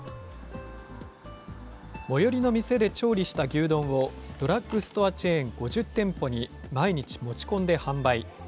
最寄りの店で調理した牛丼を、ドラッグストアチェーン５０店舗に毎日持ち込んで販売。